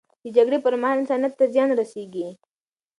د جګړې پر مهال، انسانیت ته زیان رسیږي.